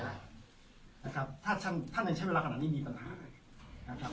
แล้วนะครับถ้าท่านถ้าในใช้เวลาขนาดนี้มีปัญหานะครับ